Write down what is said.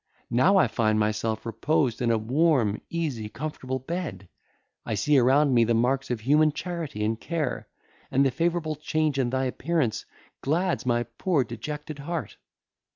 Now, I find myself reposed in a warm, easy, comfortable bed. I see around me the marks of human charity and care, and the favourable change in thy appearance glads my poor dejected heart.